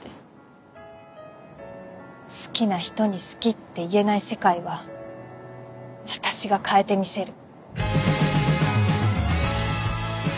好きな人に好きって言えない世界は私が変えてみせる。